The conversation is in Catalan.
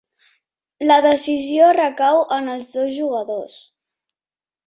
La decisió recau en els dos jugadors.